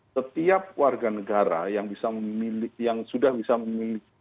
setiap warga negara yang bisa memiliki yang sudah bisa memiliki